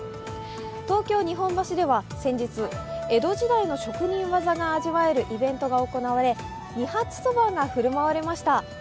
東京・日本橋では先日、江戸時代の職人技が味わえるイベントが行われ、二八そばが振る舞われました。